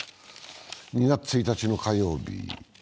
２月１日の火曜日。